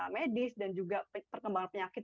medis dan juga perkembangan penyakit